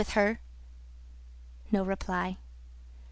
With her?" No reply.